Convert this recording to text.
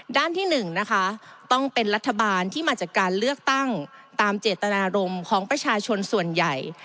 ที่๑นะคะต้องเป็นรัฐบาลที่มาจากการเลือกตั้งตามเจตนารมณ์ของประชาชนส่วนใหญ่